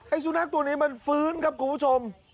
สุนัขตัวนี้มันฟื้นครับคุณผู้ชม